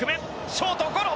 ショートゴロ。